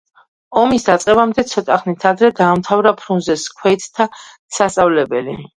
ომის დაწყებამდე ცოტა ხნით ადრე დაამთავრა ფრუნზეს ქვეითთა სასწავლებელი.